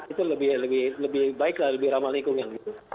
itu lebih baik lah lebih ramah lingkungan